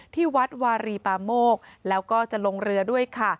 ที่วัดวารีปาโมกแล้วก็จะลงเรือด้วยค่ะ